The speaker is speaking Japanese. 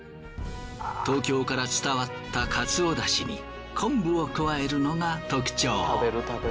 東京から伝わったカツオ出汁に昆布を加えるのが特徴。